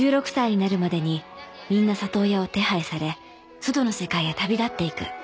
［１６歳になるまでにみんな里親を手配され外の世界へ旅立っていく］